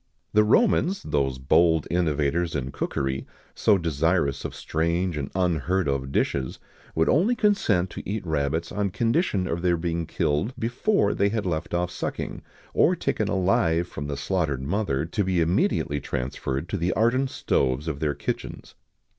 [XIX 107] The Romans, those bold innovators in cookery, so desirous of strange and unheard of dishes, would only consent to eat rabbits on condition of their being killed before they had left off sucking, or taken alive from the slaughtered mother, to be immediately transferred to the ardent stoves of their kitchens.